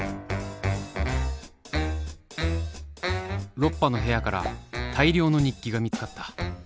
ロッパの部屋から大量の日記が見つかった。